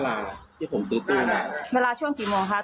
เวลาช่วงกี่โมงค่ะตู้มาถึง